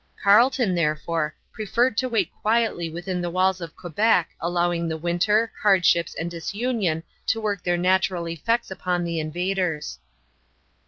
Carleton, therefore, preferred to wait quietly within the walls of Quebec, allowing the winter, hardships, and disunion to work their natural effects upon the invaders.